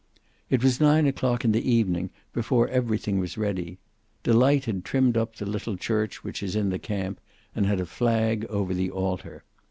"It was nine o'clock in the evening before everything was ready. Delight had trimmed up the little church which is in the camp and had a flag over the altar.